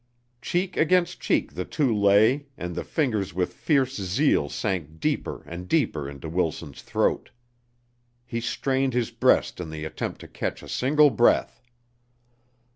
Cheek against cheek the two lay and the fingers with fierce zeal sank deeper and deeper into Wilson's throat. He strained his breast in the attempt to catch a single breath.